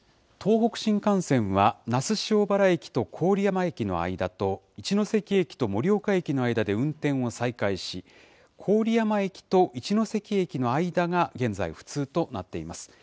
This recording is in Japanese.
東北新幹線は那須塩原駅と郡山駅の間と、一ノ関駅と盛岡駅の間で運転を再開し、郡山駅と一ノ関駅の間が現在、不通となっています。